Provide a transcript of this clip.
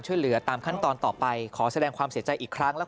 ช่วยเหลือตามขั้นตอนต่อไปขอแสดงความเสียใจอีกครั้งแล้ว